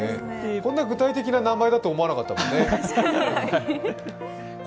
こんな具体的な名前だと思わなかったもんね。